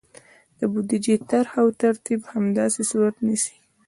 د بودیجې طرحه او ترتیب همداسې صورت نیسي.